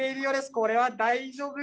これは大丈夫か？